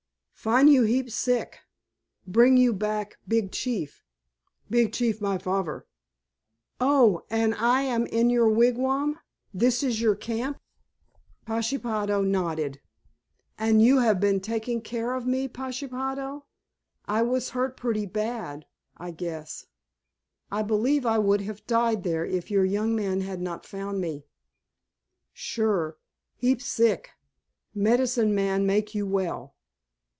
Fin' you heap sick. Bring you back Big Chief. Big Chief my favver." "Oh, and I am in your wigwam? This is your camp?" Pashepaho nodded. "And you have been taking care of me, Pashepaho? I was hurt pretty bad, I guess. I believe I would have died there if your young men had not found me." "Sure. Heap sick. Medicine man make you well."